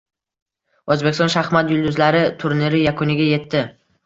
“O‘zbekiston shaxmat yulduzlari” turniri yakuniga yetdi